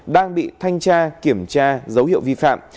đang bị thanh tra kiểm tra dấu hiệu vi phạm